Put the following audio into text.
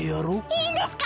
いいんですか！